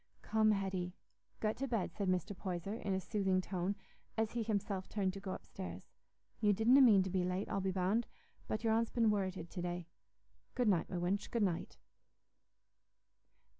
"Come, Hetty, get to bed," said Mr. Poyser, in a soothing tone, as he himself turned to go upstairs. "You didna mean to be late, I'll be bound, but your aunt's been worrited to day. Good night, my wench, good night."